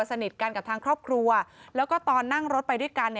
สนิทกันกับทางครอบครัวแล้วก็ตอนนั่งรถไปด้วยกัน